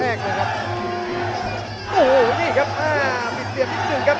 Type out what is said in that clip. อันแรกเลยนะครับโอ้โหนี่ครับอ่ากันปิดเทียดนิดหนึ่งครับ